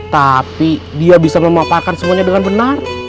tapi dia bisa memaparkan semuanya dengan benar